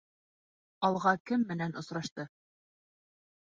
«Алға» кем менән осрашты?